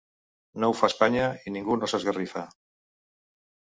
No ho fa Espanya, i ningú no s’esgarrifa.